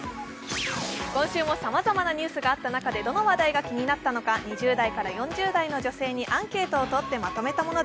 今週もさまざまなニュースがあった中で、どの話題が気になったのか、２０代から４０代の女性にアンケートを取りました。